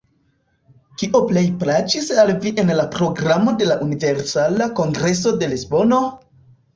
Kio plej plaĉis al vi en la programo de la Universala Kongreso de Lisbono?